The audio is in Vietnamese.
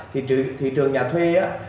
thì thị trường nhà thuê